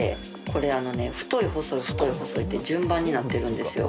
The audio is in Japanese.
これ太い細い太い細いって順番になってるんですよ